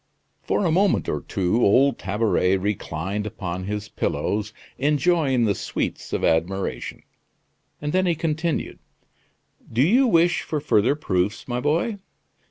For a moment or two old Tabaret reclined upon his pillows enjoying the sweets of admiration; then he continued: "Do you wish for further proofs, my boy?